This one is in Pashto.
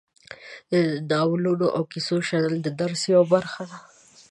د نالونو او کیسو شنل د درس یوه برخه ده.